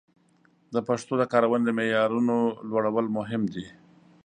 د پښتو د کارونې د معیارونو لوړول مهم دي.